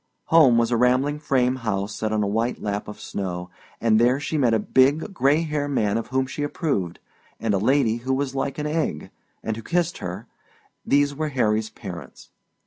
Home was a rambling frame house set on a white lap of snow, and there she met a big, gray haired man of whom she approved, and a lady who was like an egg, and who kissed her these were Harry's parents.